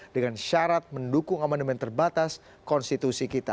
dengan syarat mendukung amandemen terbatas konstitusi kita